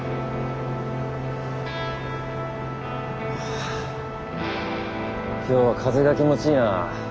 はあ今日は風が気持ちいいな。